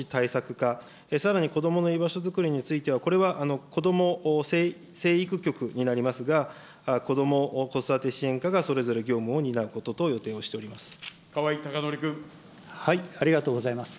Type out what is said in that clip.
課、さらに子どもの居場所作りについては、これは、子ども成育局になりますが、こども・子育て支援課がそれぞれ業務を担うことと川合孝典君。ありがとうございます。